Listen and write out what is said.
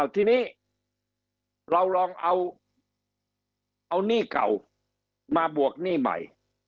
ทีนี้เราลองเอาหนี้เก่ามาบวกหนี้ใหม่